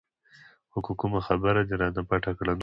خو که کومه خبره دې رانه پټه کړه نو.